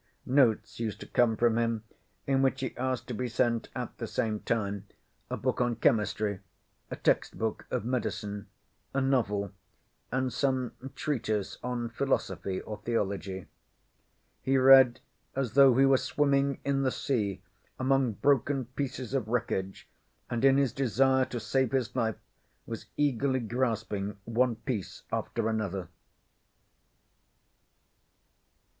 Notes used to come from him in which he asked to be sent at the same time a book on chemistry, a text book of medicine, a novel, and some treatise on philosophy or theology. He read as though he were swimming in the sea among broken pieces of wreckage, and in his desire to save his life was eagerly grasping one piece after another.